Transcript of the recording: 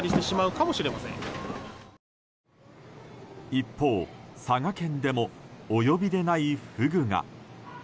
一方、佐賀県でもお呼びでないフグが。